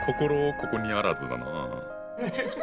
ここにあらずだなぁ。